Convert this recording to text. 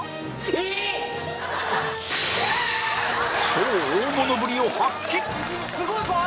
超大物ぶりを発揮！